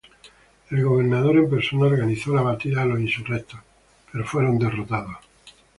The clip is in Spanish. El gobernador en persona organizó la batida de los insurrectos, pero fueron derrotados.